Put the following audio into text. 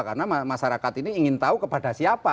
karena masyarakat ini ingin tahu kepada siapa